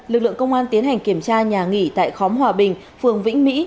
lực lượng công an tiến hành kiểm tra nhà nghỉ tại khóm hòa bình phường vĩnh mỹ